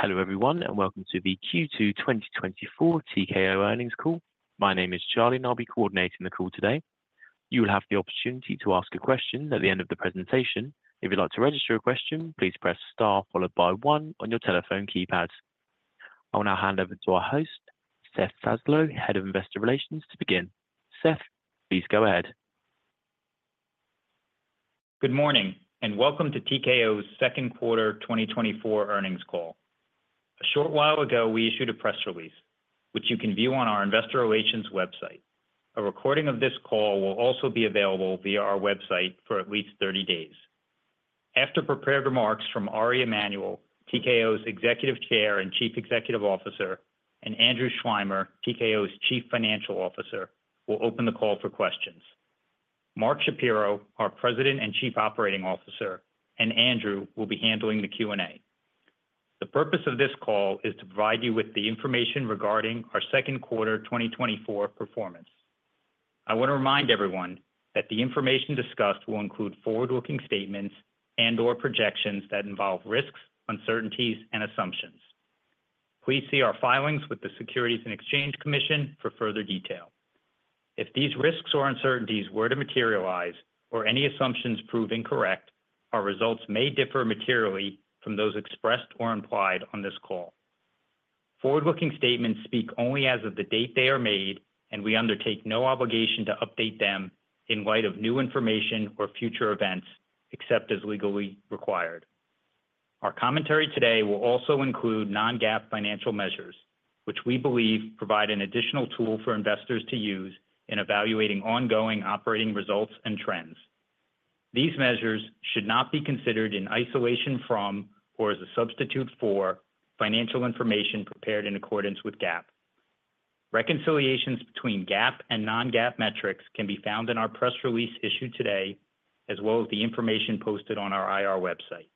Hello, everyone, and welcome to the Q2 2024 TKO Earnings Call. My name is Charlie, and I'll be coordinating the call today. You will have the opportunity to ask a question at the end of the presentation. If you'd like to register a question, please press star followed by one on your telephone keypad. I will now hand over to our host, Seth Zaslow, Head of Investor Relations, to begin. Seth, please go ahead. Good morning, and welcome to TKO's second quarter 2024 earnings call. A short while ago, we issued a press release, which you can view on our investor relations website. A recording of this call will also be available via our website for at least 30 days. After prepared remarks from Ari Emanuel, TKO's Executive Chair and Chief Executive Officer, and Andrew Schleimer, TKO's Chief Financial Officer, we'll open the call for questions. Mark Shapiro, our President and Chief Operating Officer, and Andrew will be handling the Q&A. The purpose of this call is to provide you with the information regarding our second quarter 2024 performance. I want to remind everyone that the information discussed will include forward-looking statements and/or projections that involve risks, uncertainties, and assumptions. Please see our filings with the Securities and Exchange Commission for further detail. If these risks or uncertainties were to materialize or any assumptions prove incorrect, our results may differ materially from those expressed or implied on this call. Forward-looking statements speak only as of the date they are made, and we undertake no obligation to update them in light of new information or future events, except as legally required. Our commentary today will also include non-GAAP financial measures, which we believe provide an additional tool for investors to use in evaluating ongoing operating results and trends. These measures should not be considered in isolation from, or as a substitute for, financial information prepared in accordance with GAAP. Reconciliations between GAAP and non-GAAP metrics can be found in our press release issued today, as well as the information posted on our IR website.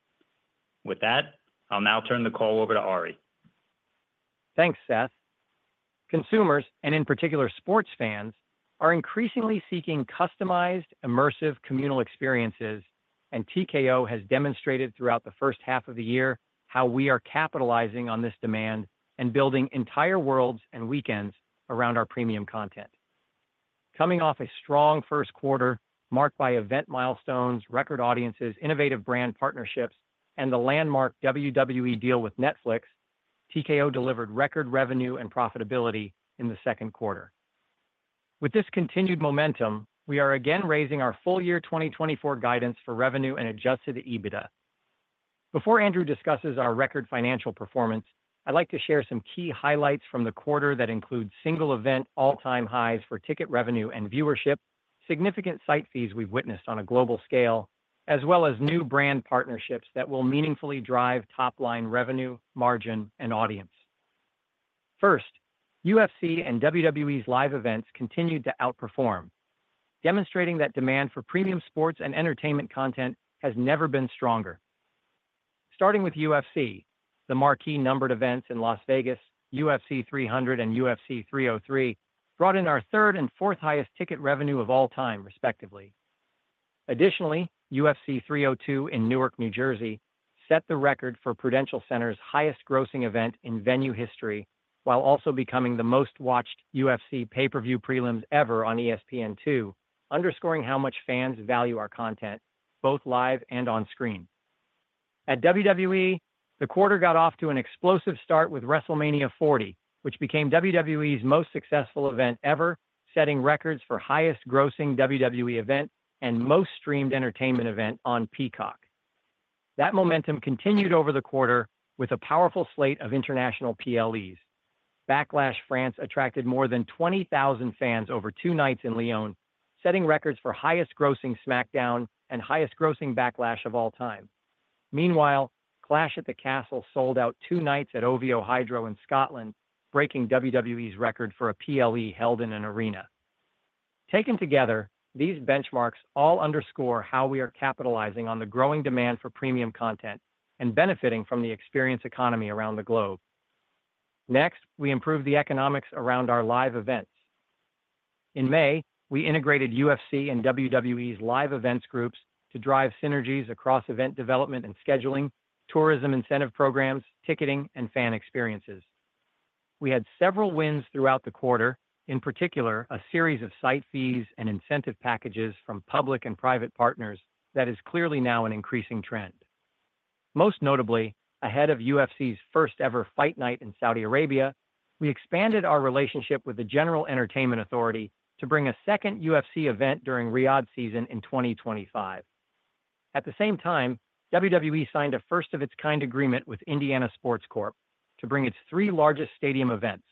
With that, I'll now turn the call over to Ari. Thanks, Seth. Consumers, and in particular, sports fans, are increasingly seeking customized, immersive, communal experiences, and TKO has demonstrated throughout the first half of the year how we are capitalizing on this demand and building entire worlds and weekends around our premium content. Coming off a strong first quarter marked by event milestones, record audiences, innovative brand partnerships, and the landmark WWE deal with Netflix, TKO delivered record revenue and profitability in the second quarter. With this continued momentum, we are again raising our full year 2024 guidance for revenue and Adjusted EBITDA. Before Andrew discusses our record financial performance, I'd like to share some key highlights from the quarter that include single event all-time highs for ticket revenue and viewership, significant site fees we've witnessed on a global scale, as well as new brand partnerships that will meaningfully drive top-line revenue, margin, and audience. First, UFC and WWE's live events continued to outperform, demonstrating that demand for premium sports and entertainment content has never been stronger. Starting with UFC, the marquee numbered events in Las Vegas, UFC 300 and UFC 303, brought in our third and fourth highest ticket revenue of all time, respectively. Additionally, UFC 302 in Newark, New Jersey, set the record for Prudential Center's highest grossing event in venue history, while also becoming the most-watched UFC pay-per-view prelims ever on ESPN2, underscoring how much fans value our content, both live and on screen. At WWE, the quarter got off to an explosive start with WrestleMania XL, which became WWE's most successful event ever, setting records for highest grossing WWE event and most streamed entertainment event on Peacock. That momentum continued over the quarter with a powerful slate of international PLEs. Backlash France attracted more than 20,000 fans over two nights in Lyon, setting records for highest grossing SmackDown and highest grossing Backlash of all time. Meanwhile, Clash at the Castle sold out two nights at OVO Hydro in Scotland, breaking WWE's record for a PLE held in an arena. Taken together, these benchmarks all underscore how we are capitalizing on the growing demand for premium content and benefiting from the experience economy around the globe. Next, we improve the economics around our live events. In May, we integrated UFC and WWE's live events groups to drive synergies across event development and scheduling, tourism incentive programs, ticketing, and fan experiences. We had several wins throughout the quarter, in particular, a series of site fees and incentive packages from public and private partners that is clearly now an increasing trend. Most notably, ahead of UFC's first-ever fight night in Saudi Arabia, we expanded our relationship with the General Entertainment Authority to bring a second UFC event during Riyadh Season in 2025. At the same time, WWE signed a first-of-its-kind agreement with Indiana Sports Corp to bring its three largest stadium events,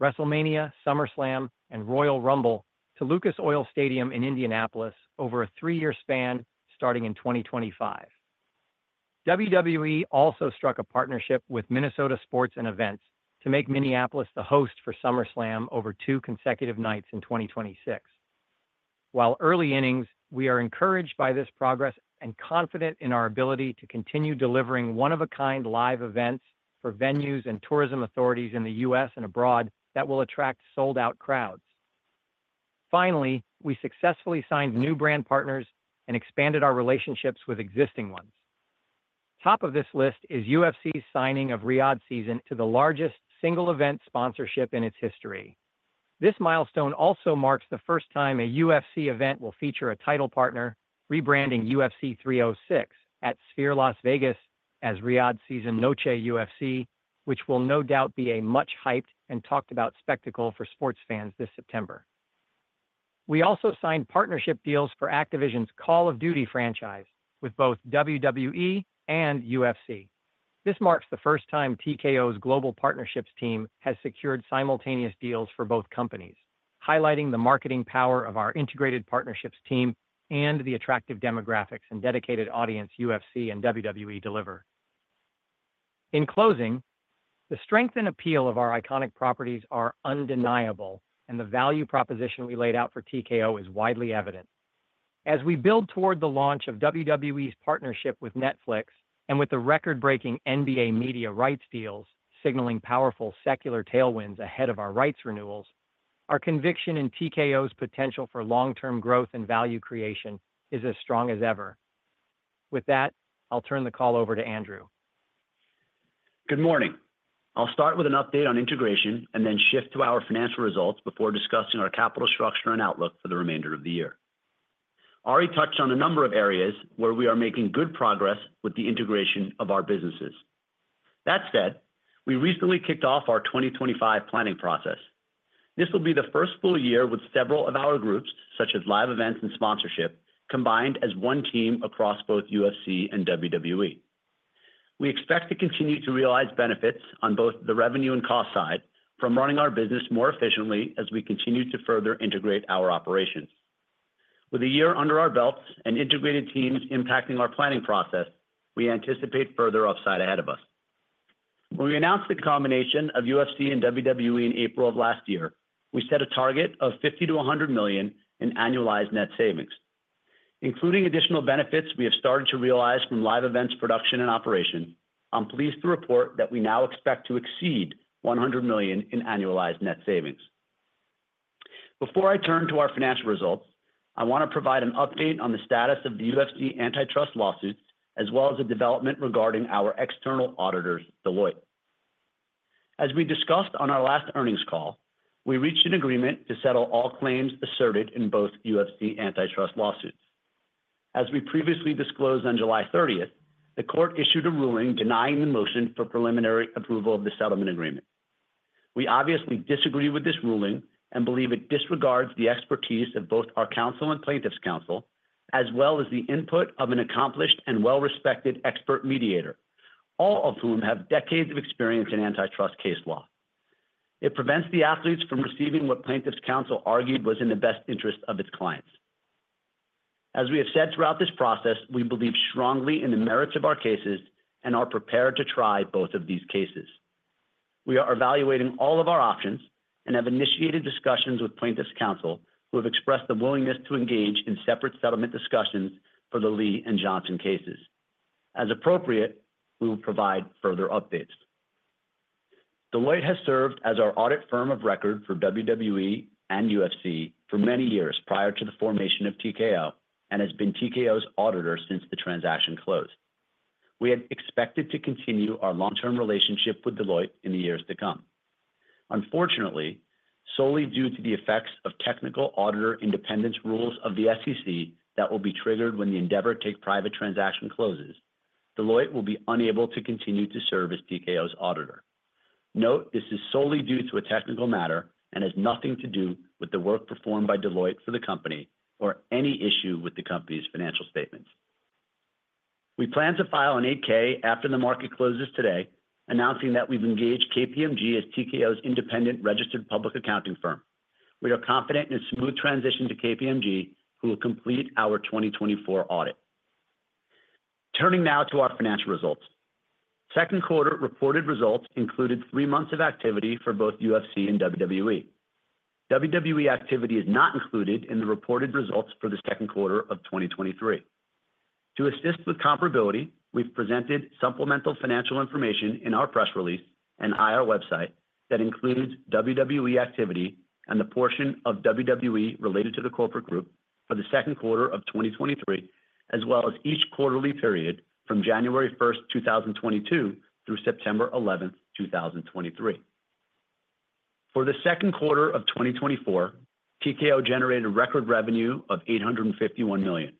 WrestleMania, SummerSlam, and Royal Rumble, to Lucas Oil Stadium in Indianapolis over a three-year span starting in 2025. WWE also struck a partnership with Minnesota Sports and Events to make Minneapolis the host for SummerSlam over two consecutive nights in 2026. While early innings, we are encouraged by this progress and confident in our ability to continue delivering one-of-a-kind live events for venues and tourism authorities in the US and abroad that will attract sold-out crowds. Finally, we successfully signed new brand partners and expanded our relationships with existing ones. Top of this list is UFC's signing of Riyadh Season to the largest single event sponsorship in its history. This milestone also marks the first time a UFC event will feature a title partner, rebranding UFC 306 at Sphere Las Vegas as Riyadh Season Noche UFC, which will no doubt be a much-hyped and talked about spectacle for sports fans this September. We also signed partnership deals for Activision's Call of Duty franchise with both WWE and UFC. This marks the first time TKO's Global Partnerships team has secured simultaneous deals for both companies, highlighting the marketing power of our integrated partnerships team and the attractive demographics and dedicated audience UFC and WWE deliver. In closing, the strength and appeal of our iconic properties are undeniable, and the value proposition we laid out for TKO is widely evident. As we build toward the launch of WWE's partnership with Netflix, and with the record-breaking NBA media rights deals, signaling powerful secular tailwinds ahead of our rights renewals, our conviction in TKO's potential for long-term growth and value creation is as strong as ever. With that, I'll turn the call over to Andrew. Good morning. I'll start with an update on integration and then shift to our financial results before discussing our capital structure and outlook for the remainder of the year. Ari touched on a number of areas where we are making good progress with the integration of our businesses. That said, we recently kicked off our 2025 planning process. This will be the first full year with several of our groups, such as Live Events and Sponsorship, combined as one team across both UFC and WWE. We expect to continue to realize benefits on both the revenue and cost side from running our business more efficiently as we continue to further integrate our operations. With a year under our belts and integrated teams impacting our planning process, we anticipate further upside ahead of us. When we announced the combination of UFC and WWE in April of last year, we set a target of $50 million-$100 million in annualized net savings. Including additional benefits we have started to realize from live events, production and operation, I'm pleased to report that we now expect to exceed $100 million in annualized net savings. Before I turn to our financial results, I want to provide an update on the status of the UFC antitrust lawsuits, as well as the development regarding our external auditors, Deloitte. As we discussed on our last earnings call, we reached an agreement to settle all claims asserted in both UFC antitrust lawsuits. As we previously disclosed on July 30th, the court issued a ruling denying the motion for preliminary approval of the settlement agreement. We obviously disagree with this ruling and believe it disregards the expertise of both our counsel and plaintiff's counsel, as well as the input of an accomplished and well-respected expert mediator, all of whom have decades of experience in antitrust case law. It prevents the athletes from receiving what plaintiff's counsel argued was in the best interest of its clients. As we have said throughout this process, we believe strongly in the merits of our cases and are prepared to try both of these cases. We are evaluating all of our options and have initiated discussions with plaintiff's counsel, who have expressed a willingness to engage in separate settlement discussions for the Le and Johnson cases. As appropriate, we will provide further updates. Deloitte has served as our audit firm of record for WWE and UFC for many years prior to the formation of TKO, and has been TKO's auditor since the transaction closed. We had expected to continue our long-term relationship with Deloitte in the years to come. Unfortunately, solely due to the effects of technical auditor independence rules of the SEC that will be triggered when the Endeavor take-private transaction closes, Deloitte will be unable to continue to serve as TKO's auditor. Note, this is solely due to a technical matter and has nothing to do with the work performed by Deloitte for the company or any issue with the company's financial statements. We plan to file an 8-K after the market closes today, announcing that we've engaged KPMG as TKO's independent registered public accounting firm. We are confident in a smooth transition to KPMG, who will complete our 2024 audit. Turning now to our financial results. Second quarter reported results included 3 months of activity for both UFC and WWE. WWE activity is not included in the reported results for the second quarter of 2023. To assist with comparability, we've presented supplemental financial information in our press release and IR website that includes WWE activity and the portion of WWE related to the corporate group for the second quarter of 2023, as well as each quarterly period from January 1st, 2022, through September 11th, 2023. For the second quarter of 2024, TKO generated a record revenue of $851 million.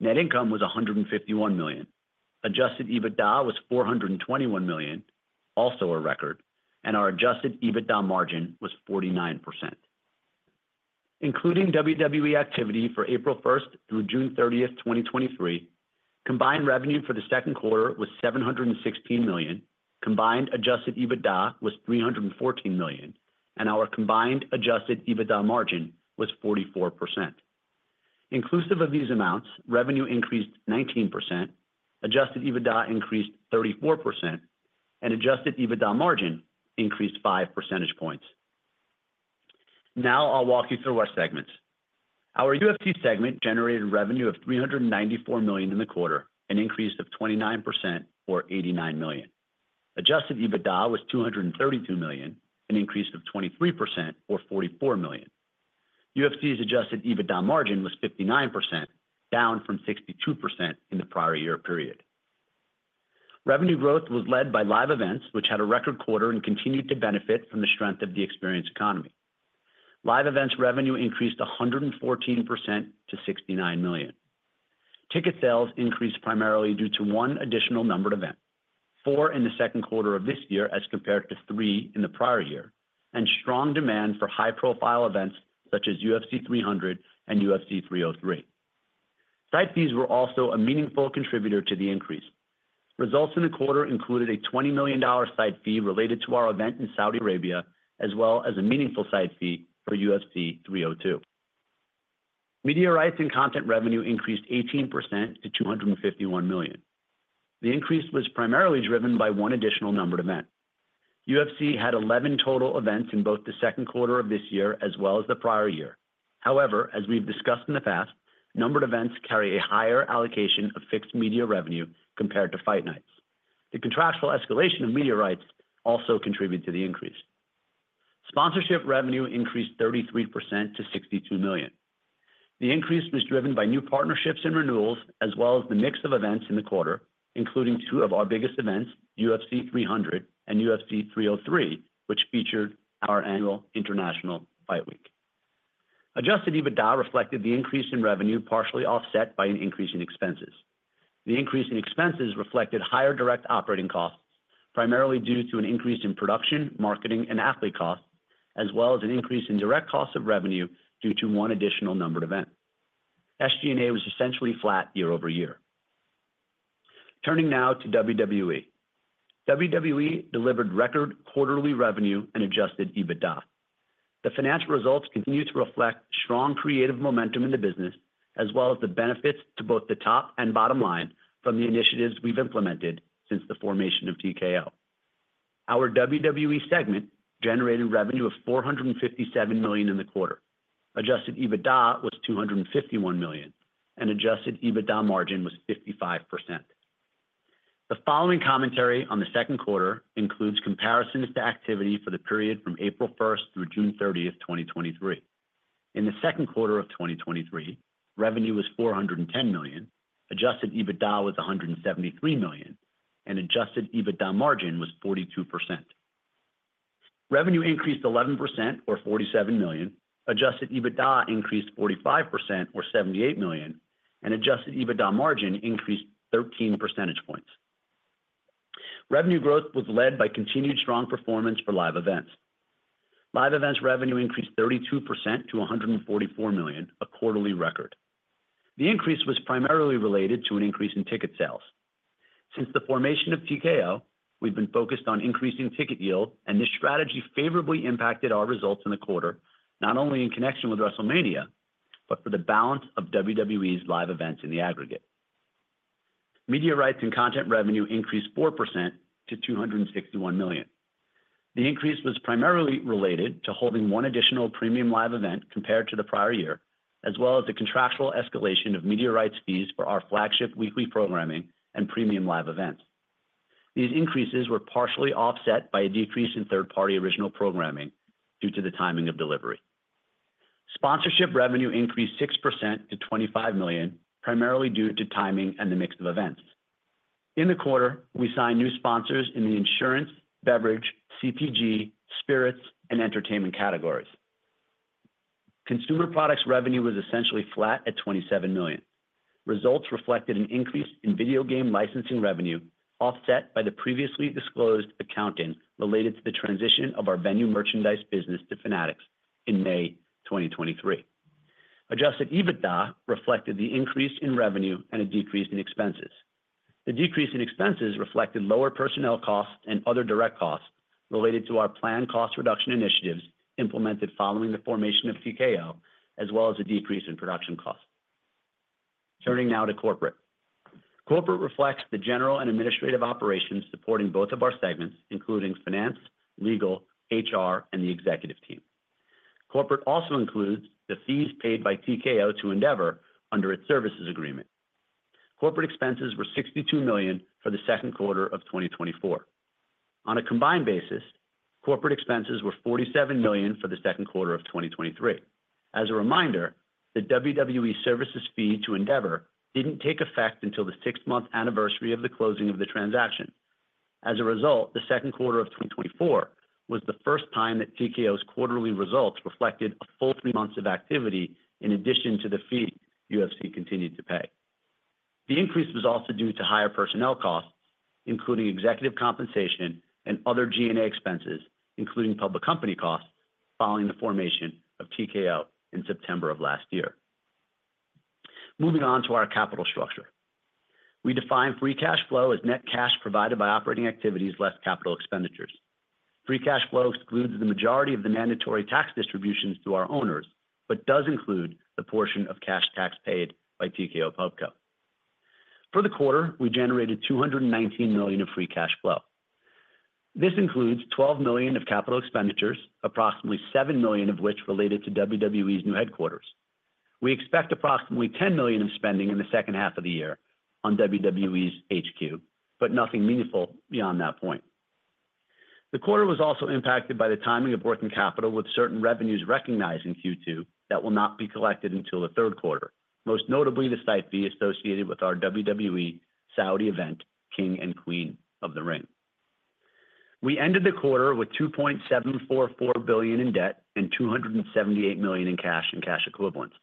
Net income was $151 million. Adjusted EBITDA was $421 million, also a record, and our Adjusted EBITDA margin was 49%. Including WWE activity for April 1st through June 13th, 2023, combined revenue for the second quarter was $716 million, combined Adjusted EBITDA was $314 million, and our combined Adjusted EBITDA margin was 44%. Inclusive of these amounts, revenue increased 19%, Adjusted EBITDA increased 34%, and Adjusted EBITDA margin increased five percentage points. Now I'll walk you through our segments. Our UFC segment generated revenue of $394 million in the quarter, an increase of 29% or $89 million. Adjusted EBITDA was $232 million, an increase of 23% or $44 million. UFC's Adjusted EBITDA margin was 59%, down from 62% in the prior year period. Revenue growth was led by live events, which had a record quarter and continued to benefit from the strength of the experience economy. Live events revenue increased 114% to $69 million. Ticket sales increased primarily due to one additional numbered event, 4 in the second quarter of this year, as compared to 3 in the prior year, and strong demand for high-profile events such as UFC 300 and UFC 303. Site fees were also a meaningful contributor to the increase. Results in the quarter included a $20 million site fee related to our event in Saudi Arabia, as well as a meaningful site fee for UFC 302. Media rights and content revenue increased 18% to $251 million. The increase was primarily driven by one additional numbered event. UFC had 11 total events in both the second quarter of this year as well as the prior year. However, as we've discussed in the past, numbered events carry a higher allocation of fixed media revenue compared to fight nights. The contractual escalation of media rights also contributed to the increase. Sponsorship revenue increased 33% to $62 million. The increase was driven by new partnerships and renewals, as well as the mix of events in the quarter, including two of our biggest events, UFC 300 and UFC 303, which featured our annual International Fight Week. Adjusted EBITDA reflected the increase in revenue, partially offset by an increase in expenses. The increase in expenses reflected higher direct operating costs, primarily due to an increase in production, marketing, and athlete costs, as well as an increase in direct costs of revenue due to one additional numbered event. SG&A was essentially flat year-over-year. Turning now to WWE. WWE delivered record quarterly revenue and Adjusted EBITDA. The financial results continue to reflect strong creative momentum in the business, as well as the benefits to both the top and bottom line from the initiatives we've implemented since the formation of TKO. Our WWE segment generated revenue of $457 million in the quarter. Adjusted EBITDA was $251 million, and Adjusted EBITDA margin was 55%. The following commentary on the second quarter includes comparisons to activity for the period from April 1st through June 30th, 2023. In the second quarter of 2023, revenue was $410 million, Adjusted EBITDA was $173 million, and Adjusted EBITDA margin was 42%. Revenue increased 11% or $47 million, Adjusted EBITDA increased 45% or $78 million, and Adjusted EBITDA margin increased 13 percentage points. Revenue growth was led by continued strong performance for live events. Live events revenue increased 32% to $144 million, a quarterly record. The increase was primarily related to an increase in ticket sales. Since the formation of TKO, we've been focused on increasing ticket yield, and this strategy favorably impacted our results in the quarter, not only in connection with WrestleMania, but for the balance of WWE's live events in the aggregate. Media rights and content revenue increased 4% to $261 million. The increase was primarily related to holding one additional premium live event compared to the prior year, as well as the contractual escalation of media rights fees for our flagship weekly programming and premium live events. These increases were partially offset by a decrease in third-party original programming due to the timing of delivery. Sponsorship revenue increased 6% to $25 million, primarily due to timing and the mix of events. In the quarter, we signed new sponsors in the insurance, beverage, CPG, spirits, and entertainment categories. Consumer products revenue was essentially flat at $27 million. Results reflected an increase in video game licensing revenue, offset by the previously disclosed accounting related to the transition of our venue merchandise business to Fanatics in May 2023. Adjusted EBITDA reflected the increase in revenue and a decrease in expenses. The decrease in expenses reflected lower personnel costs and other direct costs related to our planned cost reduction initiatives implemented following the formation of TKO, as well as a decrease in production costs. Turning now to corporate. Corporate reflects the general and administrative operations supporting both of our segments, including finance, legal, HR, and the executive team. Corporate also includes the fees paid by TKO to Endeavor under its services agreement. Corporate expenses were $62 million for the second quarter of 2024. On a combined basis, corporate expenses were $47 million for the second quarter of 2023. As a reminder, the WWE services fee to Endeavor didn't take effect until the six-month anniversary of the closing of the transaction. As a result, the second quarter of 2024 was the first time that TKO's quarterly results reflected a full 3 months of activity in addition to the fee UFC continued to pay. The increase was also due to higher personnel costs, including executive compensation and other G&A expenses, including public company costs, following the formation of TKO in September of last year. Moving on to our capital structure. We define free cash flow as net cash provided by operating activities less capital expenditures. Free cash flow excludes the majority of the mandatory tax distributions to our owners, but does include the portion of cash tax paid by TKO Pub Co. For the quarter, we generated $219 million of free cash flow. This includes $12 million of capital expenditures, approximately $7 million of which related to WWE's new headquarters. We expect approximately $10 million in spending in the second half of the year on WWE's HQ, but nothing meaningful beyond that point. The quarter was also impacted by the timing of working capital, with certain revenues recognized in Q2 that will not be collected until the third quarter, most notably, this might be associated with our WWE Saudi event, King and Queen of the Ring. We ended the quarter with $2.744 billion in debt and $278 million in cash and cash equivalents.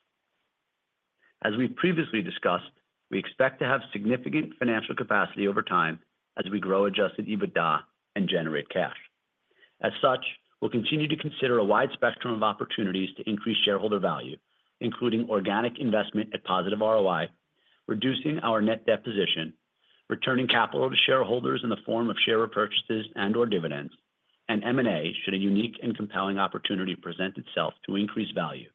As we've previously discussed, we expect to have significant financial capacity over time as we grow Adjusted EBITDA and generate cash. As such, we'll continue to consider a wide spectrum of opportunities to increase shareholder value, including organic investment at positive ROI, reducing our net debt position, returning capital to shareholders in the form of share repurchases and/or dividends, and M&A, should a unique and compelling opportunity present itself to increase value,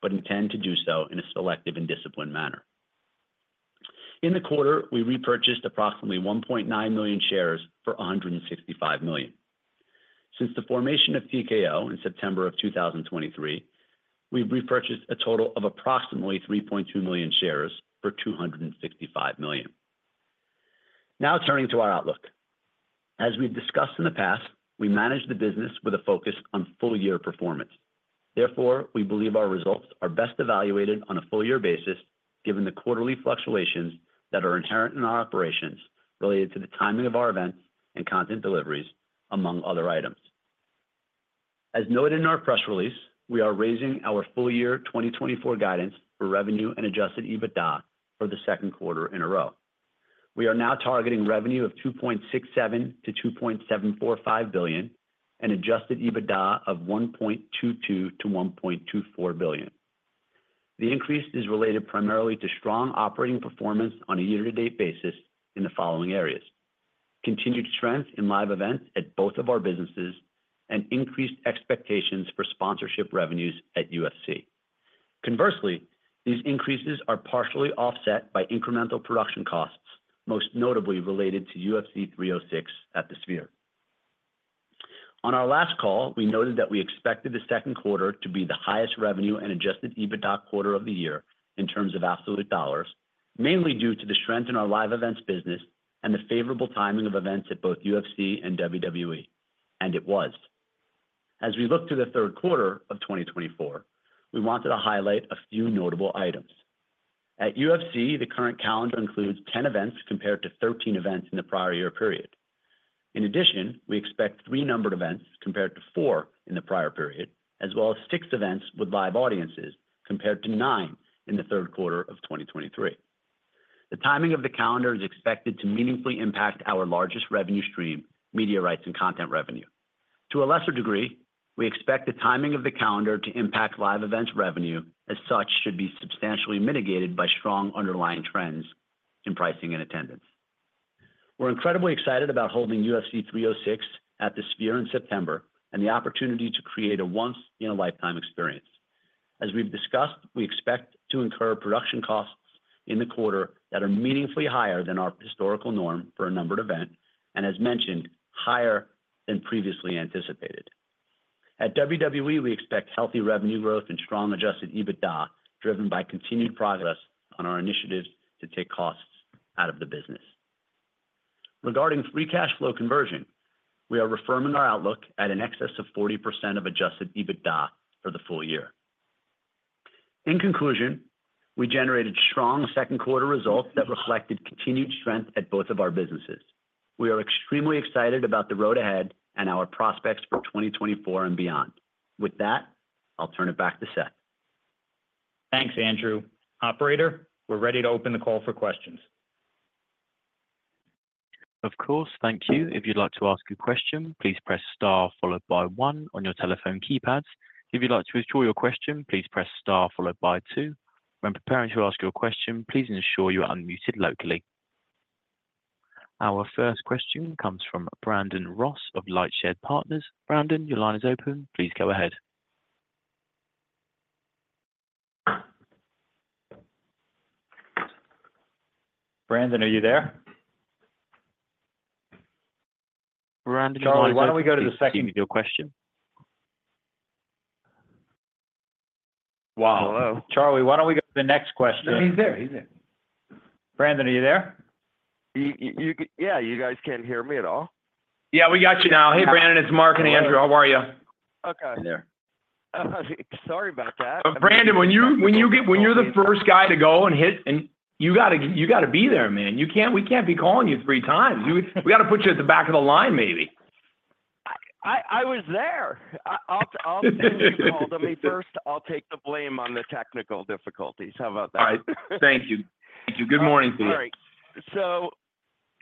but intend to do so in a selective and disciplined manner. In the quarter, we repurchased approximately 1.9 million shares for $165 million. Since the formation of TKO in September of 2023, we've repurchased a total of approximately 3.2 million shares for $265 million. Now, turning to our outlook. As we've discussed in the past, we manage the business with a focus on full-year performance. Therefore, we believe our results are best evaluated on a full-year basis, given the quarterly fluctuations that are inherent in our operations related to the timing of our events and content deliveries, among other items. As noted in our press release, we are raising our full-year 2024 guidance for revenue and Adjusted EBITDA for the second quarter in a row. We are now targeting revenue of $2.67 billion-$2.745 billion and Adjusted EBITDA of $1.22 billion-$1.24 billion. The increase is related primarily to strong operating performance on a year-to-date basis in the following areas: continued trends in live events at both of our businesses and increased expectations for sponsorship revenues at UFC. Conversely, these increases are partially offset by incremental production costs, most notably related to UFC 306 at the Sphere. On our last call, we noted that we expected the second quarter to be the highest revenue and Adjusted EBITDA quarter of the year in terms of absolute dollars, mainly due to the strength in our live events business and the favorable timing of events at both UFC and WWE, and it was. As we look to the third quarter of 2024, we wanted to highlight a few notable items. At UFC, the current calendar includes 10 events compared to 13 events in the prior year period. In addition, we expect 3 numbered events compared to 4 in the prior period, as well as 6 events with live audiences, compared to 9 in the third quarter of 2023. The timing of the calendar is expected to meaningfully impact our largest revenue stream, media rights and content revenue. To a lesser degree, we expect the timing of the calendar to impact live events revenue, as such, should be substantially mitigated by strong underlying trends in pricing and attendance. We're incredibly excited about holding UFC 306 at the Sphere in September and the opportunity to create a once-in-a-lifetime experience. As we've discussed, we expect to incur production costs in the quarter that are meaningfully higher than our historical norm for a numbered event, and as mentioned, higher than previously anticipated. At WWE, we expect healthy revenue growth and strong Adjusted EBITDA, driven by continued progress on our initiatives to take costs out of the business. Regarding free cash flow conversion, we are reaffirming our outlook at an excess of 40% of Adjusted EBITDA for the full year. In conclusion, we generated strong second quarter results that reflected continued strength at both of our businesses. We are extremely excited about the road ahead and our prospects for 2024 and beyond. With that, I'll turn it back to Seth. Thanks, Andrew. Operator, we're ready to open the call for questions. Of course. Thank you. If you'd like to ask a question, please press Star, followed by One on your telephone keypad. If you'd like to withdraw your question, please press Star followed by Two. When preparing to ask your question, please ensure you are unmuted locally. Our first question comes from Brandon Ross of LightShed Partners. Brandon, your line is open. Please go ahead. Brandon, are you there? Brandon, your line is open. Charlie, why don't we go to the second question? Wow. Charlie, why don't we go to the next question? No, he's there. He's there. Brandon, are you there? Yeah, you guys can't hear me at all? Yeah, we got you now. Hey, Brandon, it's Mark and Andrew. How are you? Okay. Sorry about that. Brandon, when you're the first guy to go and hit, and you gotta be there, man. You can't, we can't be calling you 3x. We gotta put you at the back of the line, maybe. I was there. Since you called on me first, I'll take the blame on the technical difficulties. How about that? All right. Thank you. Thank you. Good morning to you. All right. So,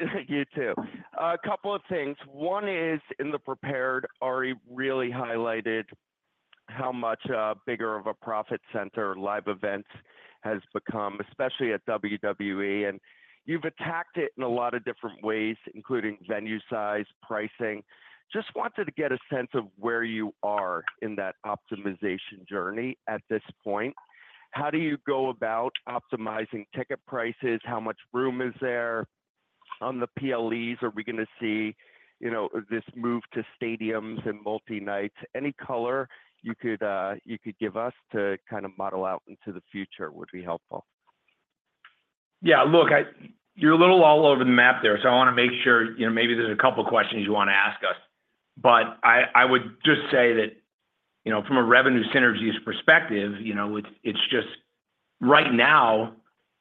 a couple of things. One is, in the prepared, Ari really highlighted how much bigger of a profit center live event has become, especially at WWE, and you've attacked it in a lot of different ways, including venue size, pricing. Just wanted to get a sense of where you are in that optimization journey at this point. How do you go about optimizing ticket prices? How much room is there? On the PLEs, are we going to see, you know, this move to stadiums and multi-nights? Any color you could give us to kind of model out into the future would be helpful. Yeah, look, you're a little all over the map there, so I want to make sure, you know, maybe there's a couple questions you want to ask us. But I, I would just say that, you know, from a revenue synergies perspective, you know, it's, it's just right now,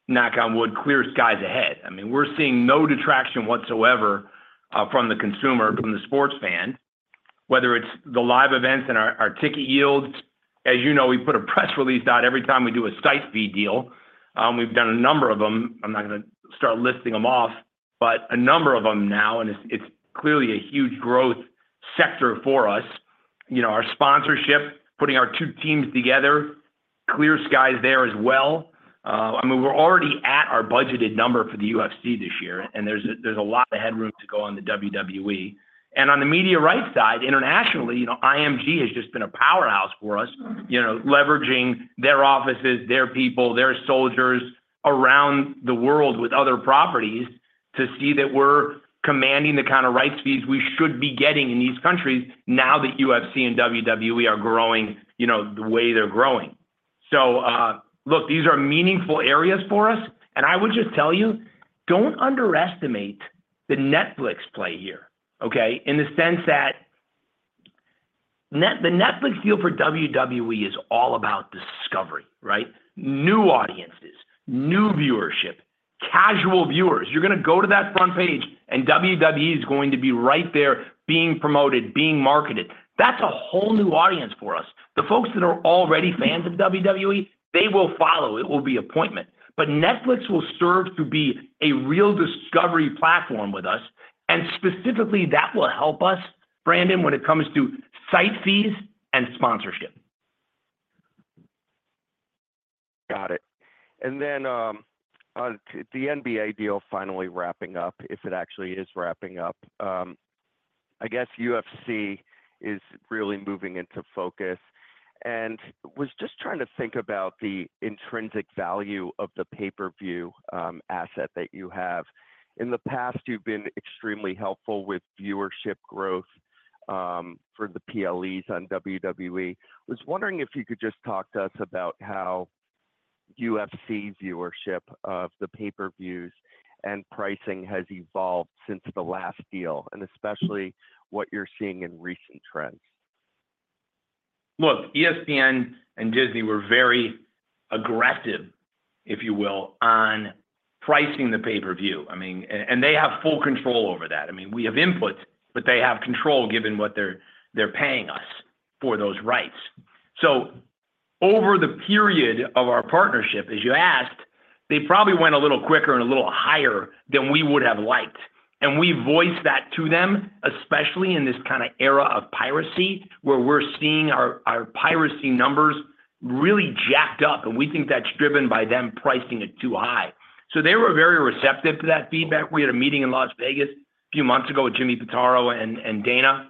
knock on wood, clear skies ahead. I mean, we're seeing no detraction whatsoever from the consumer, from the sports fan, whether it's the live events and our, our ticket yields. As you know, we put a press release out every time we do a site fee deal. We've done a number of them. I'm not going to start listing them off, but a number of them now, and it's, it's clearly a huge growth sector for us. You know, our sponsorship, putting our two teams together, clear skies there as well. I mean, we're already at our budgeted number for the UFC this year, and there's a lot of headroom to go on the WWE. And on the media rights side, internationally, you know, IMG has just been a powerhouse for us. You know, leveraging their offices, their people, their soldiers around the world with other properties to see that we're commanding the kind of rights fees we should be getting in these countries now that UFC and WWE are growing, you know, the way they're growing. So, look, these are meaningful areas for us, and I would just tell you, don't underestimate the Netflix play here, okay? In the sense that the Netflix deal for WWE is all about discovery, right? New audiences, new viewership, casual viewers. You're going to go to that front page, and WWE is going to be right there being promoted, being marketed. That's a whole new audience for us. The folks that are already fans of WWE, they will follow. It will be appointment. But Netflix will serve to be a real discovery platform with us, and specifically, that will help us, Brandon, when it comes to site fees and sponsorship. Got it. And then, the NBA deal finally wrapping up, if it actually is wrapping up. I guess UFC is really moving into focus and was just trying to think about the intrinsic value of the pay-per-view asset that you have. In the past, you've been extremely helpful with viewership growth for the PLEs on WWE. I was wondering if you could just talk to us about how UFC viewership of the pay-per-views and pricing has evolved since the last deal, and especially what you're seeing in recent trends. Look, ESPN and Disney were very aggressive, if you will, on pricing the pay-per-view. I mean... And they have full control over that. I mean, we have input, but they have control given what they're paying us for those rights. So over the period of our partnership, as you asked, they probably went a little quicker and a little higher than we would have liked, and we voiced that to them, especially in this kind of era of piracy, where we're seeing our piracy numbers really jacked up, and we think that's driven by them pricing it too high. So they were very receptive to that feedback. We had a meeting in Las Vegas a few months ago with Jimmy Pitaro and Dana,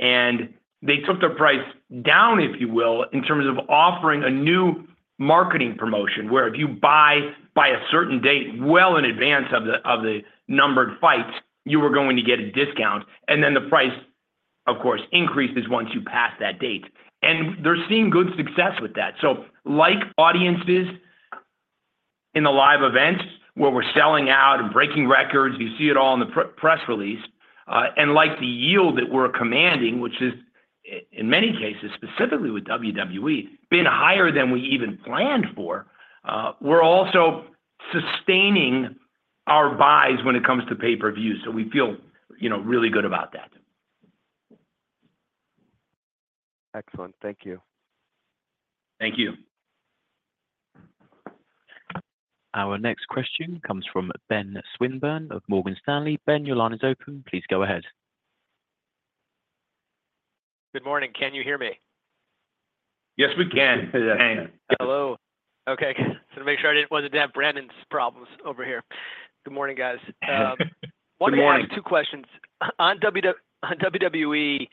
and they took the price down, if you will, in terms of offering a new marketing promotion, where if you buy by a certain date, well in advance of the numbered fights, you were going to get a discount, and then the price, of course, increases once you pass that date. And they're seeing good success with that. So like audiences in the live events, where we're selling out and breaking records, you see it all in the press release. And like the yield that we're commanding, which is in many cases, specifically with WWE, been higher than we even planned for, we're also sustaining our buys when it comes to pay-per-view, so we feel, you know, really good about that. Excellent. Thank you. Thank you. Our next question comes from Ben Swinburne of Morgan Stanley. Ben, your line is open. Please go ahead. Good morning. Can you hear me? Yes, we can. Yes. Ben. Hello. Okay, just want to make sure I wasn't to have Brandon's problems over here. Good morning, guys. Good morning. Wanted to ask two questions. On WWE,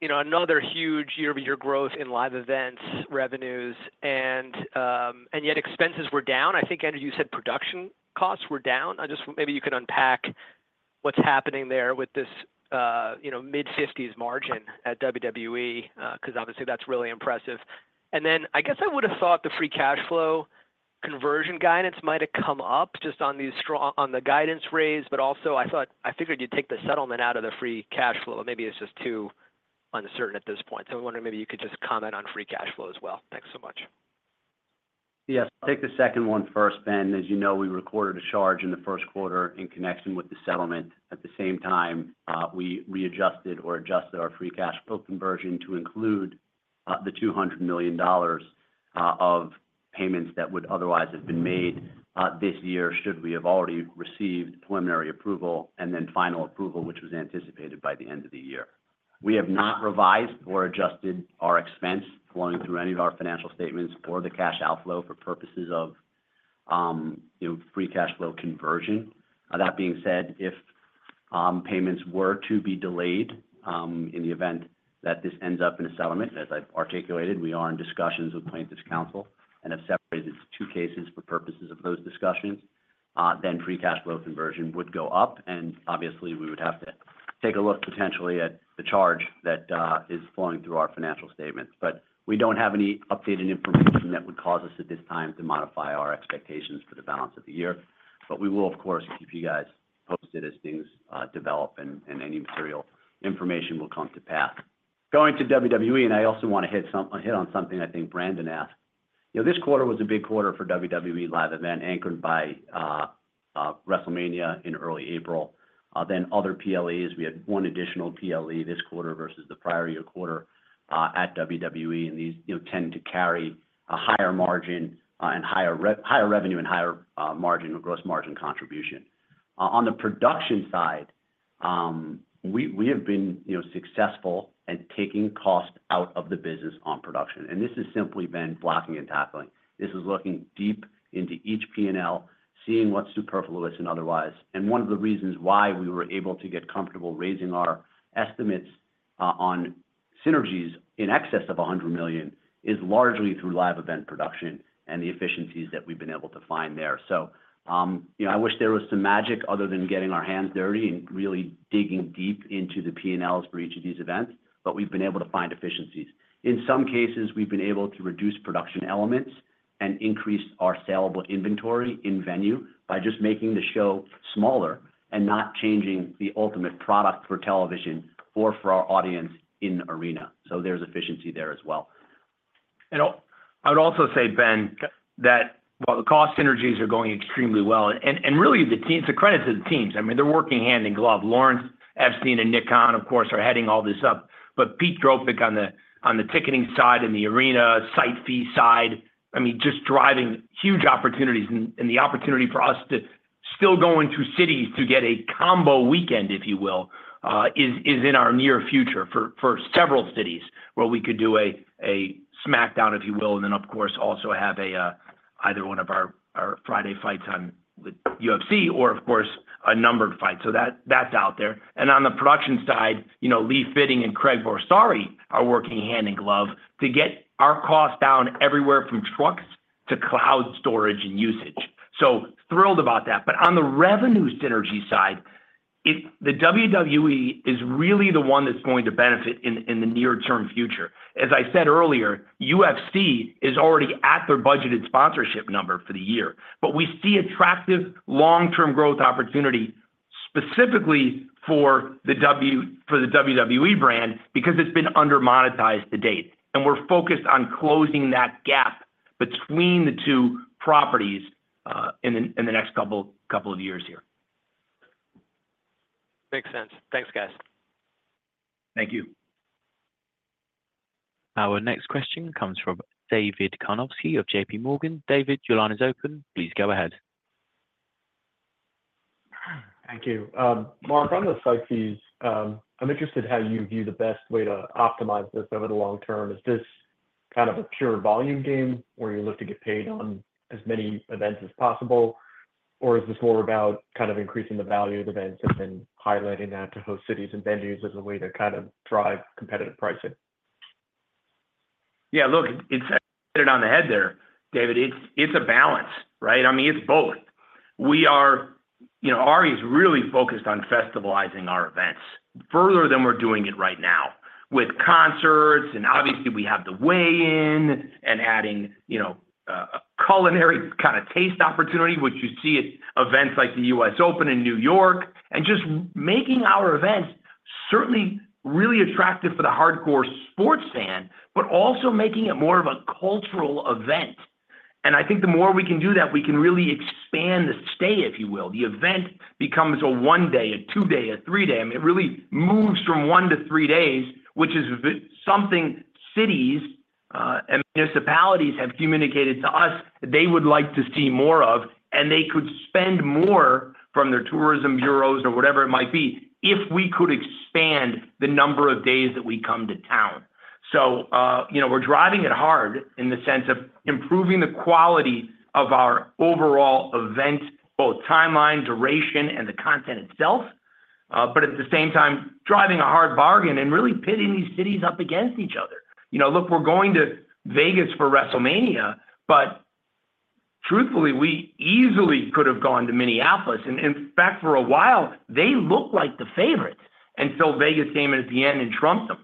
you know, another huge year-over-year growth in live events, revenues, and, and yet expenses were down. I think, Andrew, you said production costs were down? Maybe you could unpack what's happening there with this, you know, mid-fifties margin at WWE, because obviously, that's really impressive. And then I guess I would have thought the free cash flow conversion guidance might have come up just on these strong on the guidance raise, but also I figured you'd take the settlement out of the free cash flow. Maybe it's just too uncertain at this point. So I wonder if maybe you could just comment on free cash flow as well. Thanks so much. Yes, take the second one first, Ben. As you know, we recorded a charge in the first quarter in connection with the settlement. At the same time, we readjusted or adjusted our free cash flow conversion to include, the $200 million of payments that would otherwise have been made, this year, should we have already received preliminary approval and then final approval, which was anticipated by the end of the year. We have not revised or adjusted our expense flowing through any of our financial statements or the cash outflow for purposes of, you know, free cash flow conversion. That being said, if payments were to be delayed, in the event that this ends up in a settlement. As I've articulated, we are in discussions with plaintiff's counsel and have separated its two cases for purposes of those discussions. Then free cash flow conversion would go up, and obviously, we would have to take a look potentially at the charge that is flowing through our financial statements. But we don't have any updated information that would cause us at this time to modify our expectations for the balance of the year. But we will, of course, keep you guys posted as things develop and any material information will come to pass. Going to WWE, and I also want to hit on something I think Brandon asked. You know, this quarter was a big quarter for WWE live event, anchored by WrestleMania in early April. Then other PLEs, we had one additional PLE this quarter versus the prior year quarter at WWE, and these, you know, tend to carry a higher margin and higher revenue and higher margin or gross margin contribution. On the production side, we have been, you know, successful at taking costs out of the business on production, and this has simply been blocking and tackling. This is looking deep into each P&L, seeing what's superfluous and otherwise. One of the reasons why we were able to get comfortable raising our estimates on synergies in excess of $100 million is largely through live event production and the efficiencies that we've been able to find there. So, you know, I wish there was some magic other than getting our hands dirty and really digging deep into the P&Ls for each of these events, but we've been able to find efficiencies. In some cases, we've been able to reduce production elements and increase our sellable inventory in venue by just making the show smaller and not changing the ultimate product for television or for our audience in arena. So there's efficiency there as well. And I would also say, Ben, that, well, the cost synergies are going extremely well. And really, the teams, the credit to the teams, I mean, they're working hand in glove. Lawrence Epstein and Nick Khan, of course, are heading all this up. But Pete Dropick on the, on the ticketing side and the arena, site fee side, I mean, just driving huge opportunities. And the opportunity for us to still go into cities to get a combo weekend, if you will, is in our near future for several cities, where we could do a SmackDown, if you will, and then, of course, also have a either one of our Friday fights on with UFC or, of course, a numbered fight. So that's out there. And on the production side, you know, Lee Fitting and Craig Borsari are working hand in glove to get our costs down everywhere from trucks to cloud storage and usage. So thrilled about that. But on the revenue synergy side, the WWE is really the one that's going to benefit in the near-term future. As I said earlier, UFC is already at their budgeted sponsorship number for the year. But we see attractive long-term growth opportunity, specifically for the WWE brand, because it's been under-monetized to date. And we're focused on closing that gap between the two properties in the next couple of years here. Makes sense. Thanks, guys. Thank you. Our next question comes from David Karnovsky of JPMorgan. David, your line is open. Please go ahead. Thank you. Mark, on the site fees, I'm interested how you view the best way to optimize this over the long term. Is this kind of a pure volume game, where you look to get paid on as many events as possible? Or is this more about kind of increasing the value of events and then highlighting that to host cities and venues as a way to kind of drive competitive pricing? Yeah, look, it's hit it on the head there, David. It's, it's a balance, right? I mean, it's both. We are, you know, Ari is really focused on festivalizing our events further than we're doing it right now, with concerts, and obviously, we have the weigh-in and adding, you know, culinary kinda taste opportunity, which you see at events like the US Open in New York, and just making our events certainly really attractive for the hardcore sports fan, but also making it more of a cultural event. And I think the more we can do that, we can really expand the stay, if you will. The event becomes a one-day, a two-day, a three-day. I mean, it really moves from 1-3 days, which is something cities and municipalities have communicated to us they would like to see more of, and they could spend more from their tourism bureaus or whatever it might be, if we could expand the number of days that we come to town. So, you know, we're driving it hard in the sense of improving the quality of our overall event, both timeline, duration, and the content itself, but at the same time, driving a hard bargain and really pitting these cities up against each other. You know, look, we're going to Vegas for WrestleMania, but truthfully, we easily could have gone to Minneapolis, and in fact, for a while, they looked like the favorites, until Vegas came in at the end and trumped them.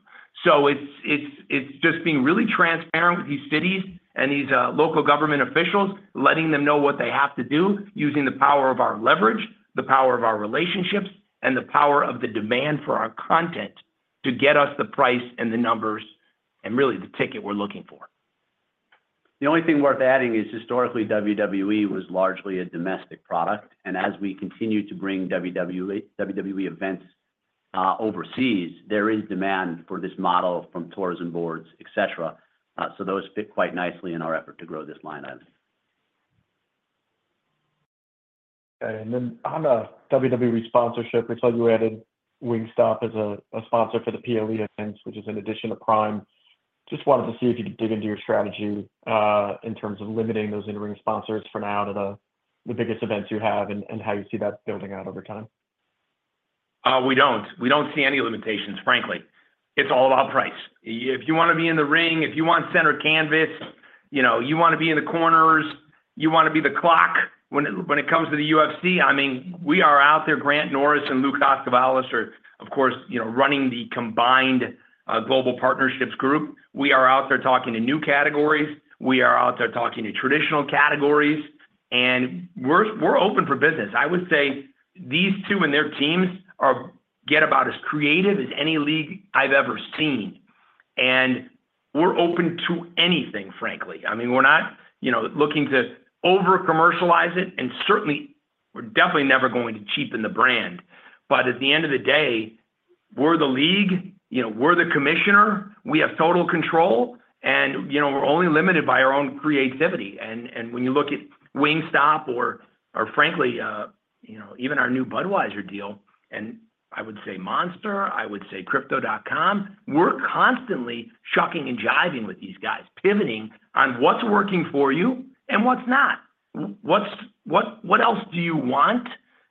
So it's just being really transparent with these cities and these local government officials, letting them know what they have to do, using the power of our leverage, the power of our relationships, and the power of the demand for our content to get us the price and the numbers and really the ticket we're looking for. The only thing worth adding is, historically, WWE was largely a domestic product, and as we continue to bring WWE, WWE events, overseas, there is demand for this model from tourism boards, et cetera. So those fit quite nicely in our effort to grow this line item. Then on the WWE sponsorship, I saw you added Wingstop as a sponsor for the PLE events, which is an addition to Prime. I just wanted to see if you could dig into your strategy in terms of limiting those in-ring sponsors for now to the biggest events you have and how you see that building out over time. We don't see any limitations, frankly. It's all about price. If you wanna be in the ring, if you want center canvas, you know, you wanna be in the corners, you wanna be the clock. When it comes to the UFC, I mean, we are out there, Grant Norris-Jones and Lou Koskovolis are, of course, you know, running the combined global partnerships group. We are out there talking to new categories. We are out there talking to traditional categories, and we're open for business. I would say these two and their teams are get about as creative as any league I've ever seen, and we're open to anything, frankly. I mean, we're not, you know, looking to over-commercialize it, and certainly we're definitely never going to cheapen the brand. But at the end of the day, we're the league, you know, we're the commissioner, we have total control, and, you know, we're only limited by our own creativity. And when you look at Wingstop or frankly, you know, even our new Budweiser deal, and I would say Monster, I would say Crypto.com, we're constantly shucking and jiving with these guys, pivoting on what's working for you and what's not. What's, what else do you want?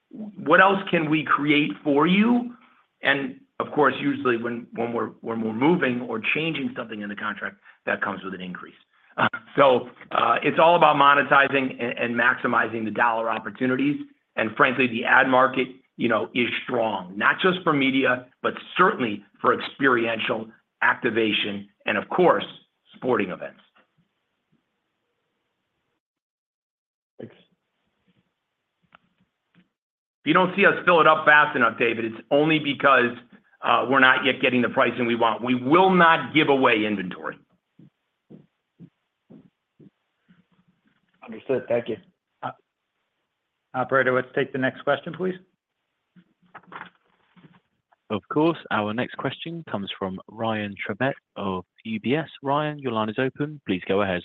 What else can we create for you? And of course, usually when we're moving or changing something in the contract, that comes with an increase. So, it's all about monetizing and maximizing the dollar opportunities. And frankly, the ad market, you know, is strong, not just for media, but certainly for experiential activation and of course, sporting events. Thanks. If you don't see us fill it up fast enough, David, it's only because we're not yet getting the pricing we want. We will not give away inventory. Understood. Thank you. Operator, let's take the next question, please. Of course. Our next question comes from Ryan Schubert of UBS. Ryan, your line is open. Please go ahead.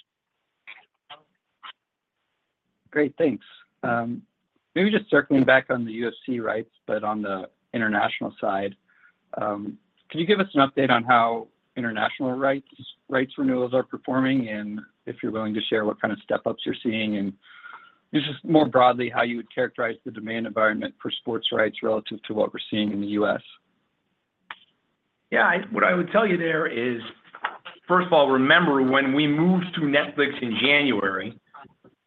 Great, thanks. Maybe just circling back on the UFC rights, but on the international side, can you give us an update on how international rights, rights renewals are performing? And if you're willing to share, what kind of step-ups you're seeing, and just more broadly, how you would characterize the demand environment for sports rights relative to what we're seeing in the U.S.? Yeah, what I would tell you there is, first of all, remember when we moved to Netflix in January,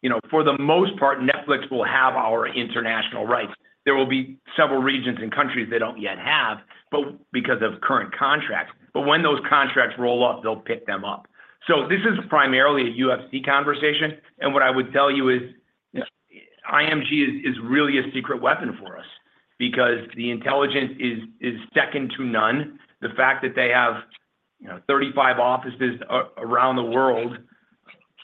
you know, for the most part, Netflix will have our international rights. There will be several regions and countries they don't yet have, but because of current contracts. But when those contracts roll up, they'll pick them up. So this is primarily a UFC conversation, and what I would tell you is, IMG is really a secret weapon for us because the intelligence is second to none. The fact that they have, you know, 35 offices around the world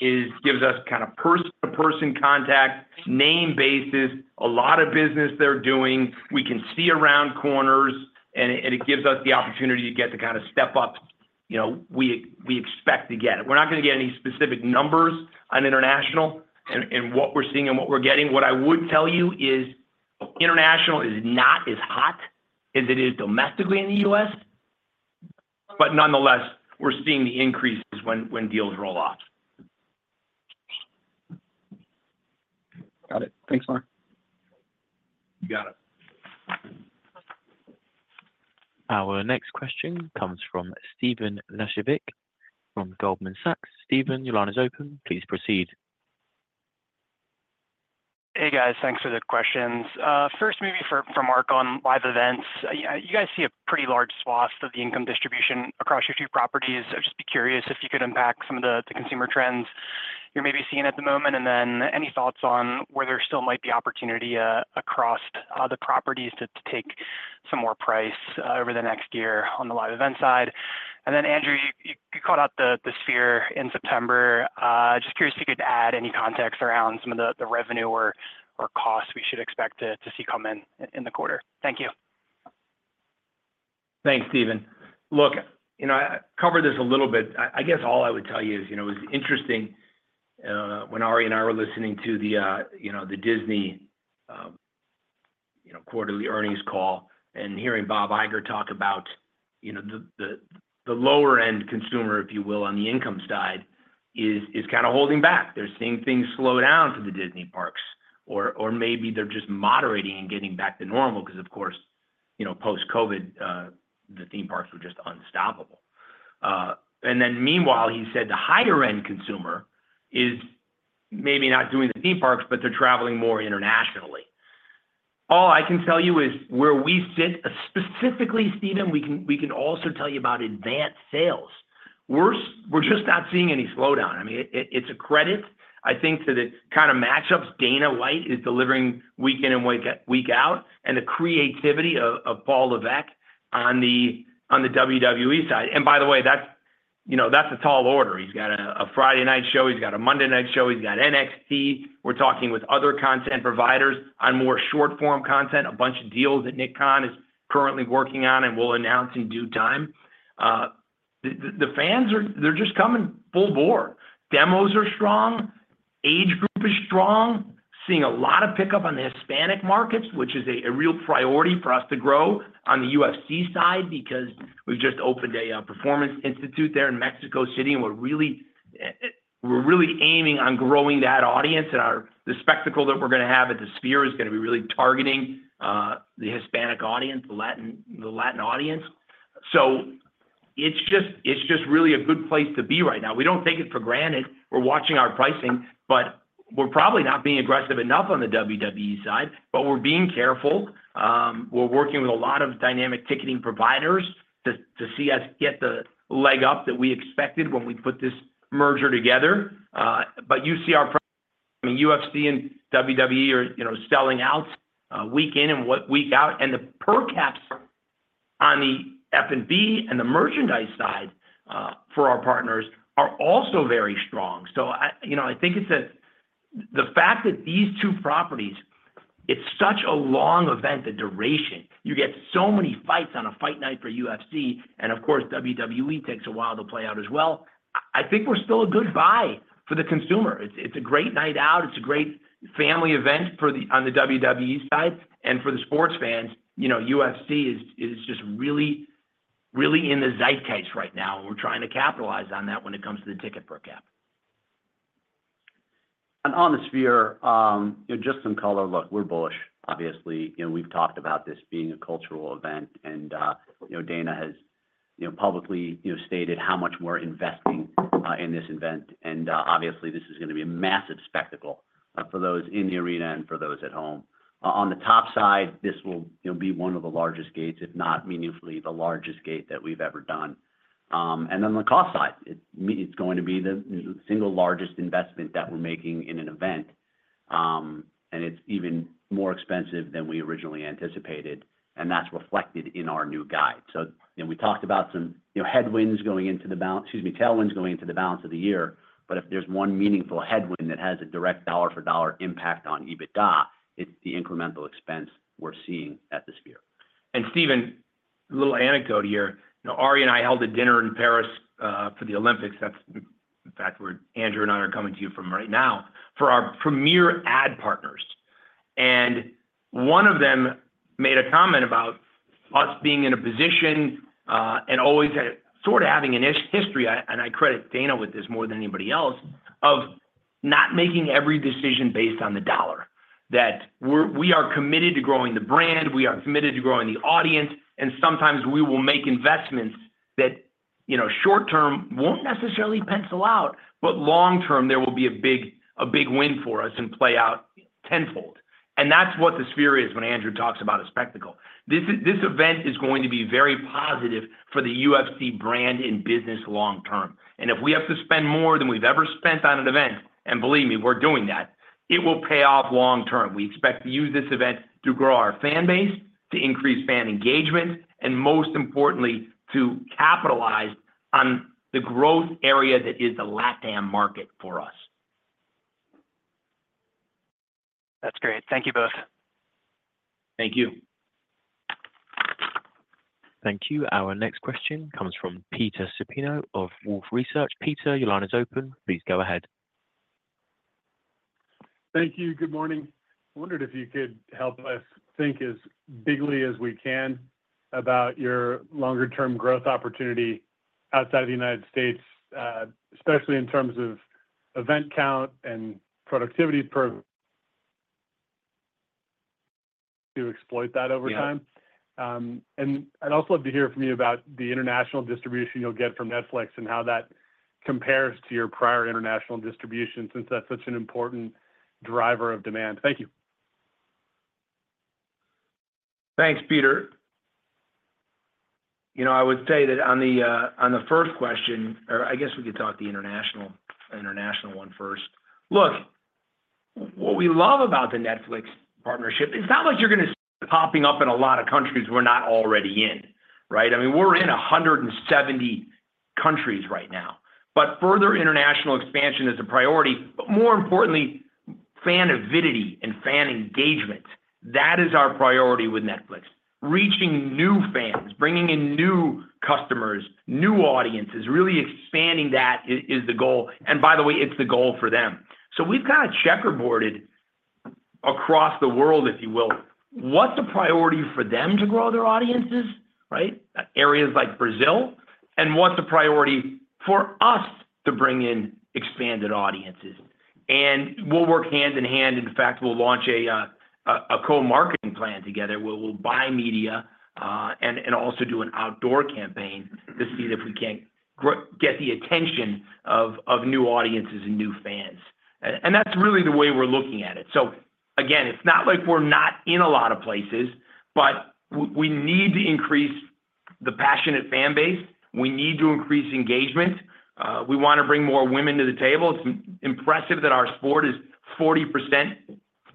is, gives us kind of person-to-person contact, name basis, a lot of business they're doing. We can see around corners, and it gives us the opportunity to get the kind of step-up, you know, we expect to get. We're not gonna get any specific numbers on international and what we're seeing and what we're getting. What I would tell you is international is not as hot as it is domestically in the U.S., but nonetheless, we're seeing the increases when deals roll off. Got it. Thanks, Mark. You got it. Our next question comes from Stephen Laszczyk from Goldman Sachs. Stephen, your line is open. Please proceed. Hey, guys. Thanks for the questions. First, maybe for Mark on live events. You guys see a pretty large swath of the income distribution across your two properties. I'd just be curious if you could unpack some of the consumer trends you're maybe seeing at the moment, and then any thoughts on where there still might be opportunity across the properties to take some more price over the next year on the live event side. And then, Andrew, you caught out the Sphere in September. Just curious if you could add any context around some of the revenue or costs we should expect to see come in in the quarter. Thank you. Thanks, Stephen. Look, you know, I covered this a little bit. I, I guess all I would tell you is, you know, it's interesting, when Ari and I were listening to the, you know, the Disney, quarterly earnings call and hearing Bob Iger talk about, you know, the, the, the lower-end consumer, if you will, on the income side, is, is kinda holding back. They're seeing things slow down for the Disney parks, or, or maybe they're just moderating and getting back to normal, because, of course, you know, post-COVID, the theme parks were just unstoppable. And then meanwhile, he said the higher-end consumer is maybe not doing the theme parks, but they're traveling more internationally. All I can tell you is where we sit, specifically, Stephen, we can, we can also tell you about advanced sales. We're just not seeing any slowdown. I mean, it's a credit, I think, to the kind of matchups Dana White is delivering week in and week out, and the creativity of Paul Levesque on the WWE side. And by the way, that's, you know, that's a tall order. He's got a Friday night show, he's got a Monday night show, he's got NXT. We're talking with other content providers on more short-form content, a bunch of deals that Nick Khan is currently working on and will announce in due time. The fans, they're just coming full bore. Demos are strong, age group is strong, seeing a lot of pickup on the Hispanic markets, which is a real priority for us to grow on the UFC side, because we've just opened a performance institute there in Mexico City, and we're really aiming on growing that audience. And the spectacle that we're gonna have at the Sphere is gonna be really targeting the Hispanic audience, the Latin audience. So it's just really a good place to be right now. We don't take it for granted. We're watching our pricing, but we're probably not being aggressive enough on the WWE side, but we're being careful. We're working with a lot of dynamic ticketing providers to see us get the leg up that we expected when we put this merger together. But you see, I mean, UFC and WWE are, you know, selling out week in and week out, and the per caps on the F&B and the merchandise side for our partners are also very strong. So I, you know, I think it's the fact that these two properties, it's such a long event, the duration, you get so many fights on a Fight Night for UFC, and of course, WWE takes a while to play out as well. I think we're still a good buy for the consumer. It's a great night out, it's a great family event for the on the WWE side, and for the sports fans, you know, UFC is just really, really in the zeitgeist right now, and we're trying to capitalize on that when it comes to the ticket per cap. On the Sphere, you know, just some color. Look, we're bullish, obviously, you know, we've talked about this being a cultural event, and you know, Dana has, you know, publicly, you know, stated how much we're investing in this event. And obviously, this is gonna be a massive spectacle for those in the arena and for those at home. On the top side, this will, you know, be one of the largest gates, if not meaningfully the largest gate that we've ever done. And on the cost side, it's going to be the single largest investment that we're making in an event. And it's even more expensive than we originally anticipated, and that's reflected in our new guide. So, you know, we talked about some, you know, tailwinds going into the balance of the year, but if there's one meaningful headwind that has a direct dollar-for-dollar impact on EBITDA, it's the incremental expense we're seeing at the Sphere. Stephen, a little anecdote here. You know, Ari and I held a dinner in Paris for the Olympics. That's, in fact, where Andrew and I are coming to you from right now, for our premier ad partners. And one of them made a comment about us being in a position and always sort of having a history, and I credit Dana with this more than anybody else, of not making every decision based on the dollar. That we are committed to growing the brand, we are committed to growing the audience, and sometimes we will make investments that, you know, short term won't necessarily pencil out, but long term, there will be a big win for us and play out tenfold. And that's what the Sphere is when Andrew talks about a spectacle. This event is going to be very positive for the UFC brand in business long term. If we have to spend more than we've ever spent on an event, and believe me, we're doing that, it will pay off long term. We expect to use this event to grow our fan base, to increase fan engagement, and most importantly, to capitalize on the growth area that is the LatAm market for us. That's great. Thank you both. Thank you. Thank you. Our next question comes from Peter Supino of Wolfe Research. Peter, your line is open. Please go ahead. Thank you. Good morning. I wondered if you could help us think as bigly as we can about your longer term growth opportunity outside the United States, especially in terms of event count and productivity per event to exploit that over time. Yeah. I'd also love to hear from you about the international distribution you'll get from Netflix and how that compares to your prior international distribution, since that's such an important driver of demand. Thank you. Thanks, Peter. You know, I would say that on the first question, or I guess we could talk the international, international one first. Look, what we love about the Netflix partnership, it's not like you're gonna be popping up in a lot of countries we're not already in, right? I mean, we're in 170 countries right now, but further international expansion is a priority, but more importantly, fan avidity and fan engagement. That is our priority with Netflix. Reaching new fans, bringing in new customers, new audiences, really expanding that is the goal, and by the way, it's the goal for them. So we've got it checkerboarded across the world, if you will. What's the priority for them to grow their audiences, right? Areas like Brazil, and what's the priority for us to bring in expanded audiences? And we'll work hand in hand. In fact, we'll launch a co-marketing plan together, where we'll buy media and also do an outdoor campaign to see if we can't get the attention of new audiences and new fans. And that's really the way we're looking at it. So again, it's not like we're not in a lot of places, but we need to increase the passionate fan base, we need to increase engagement, we want to bring more women to the table. It's impressive that our sport is 40%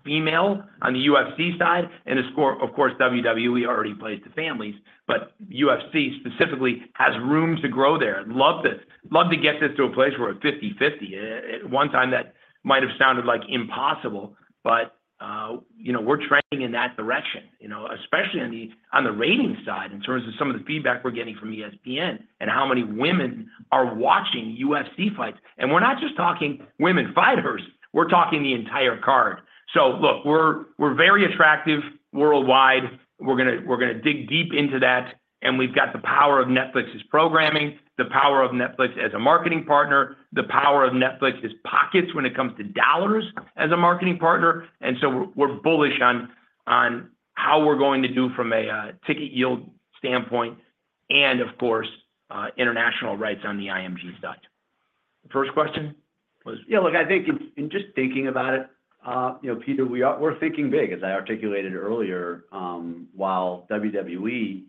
female on the UFC side, and of course, WWE already plays to families, but UFC specifically has room to grow there. Love this. Love to get this to a place where we're 50/50. At one time, that might have sounded like impossible, but, you know, we're trending in that direction, you know, especially on the, on the ratings side, in terms of some of the feedback we're getting from ESPN and how many women are watching UFC fights. And we're not just talking women fighters, we're talking the entire card. So look, we're, we're very attractive worldwide. We're gonna, we're gonna dig deep into that, and we've got the power of Netflix's programming, the power of Netflix as a marketing partner, the power of Netflix's pockets when it comes to dollars as a marketing partner, and so we're, we're bullish on, on how we're going to do from a, ticket yield standpoint and, of course, international rights on the IMG side. The first question was? Yeah, look, I think in just thinking about it, you know, Peter, we're thinking big, as I articulated earlier, while WWE